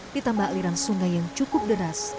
ditambah aliran sungai yang cukup deras